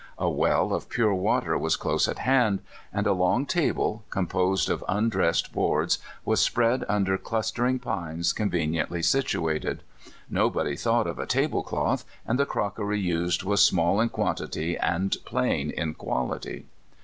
A well of pure water was close at hand, and a long table, composed of undressed boards, was spread under clustering pines conveniently sit uated. Kobody thought of a table cloth, and the crockery used was small in quantity and plain in (piality.